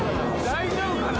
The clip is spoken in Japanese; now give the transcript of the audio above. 大丈夫かな。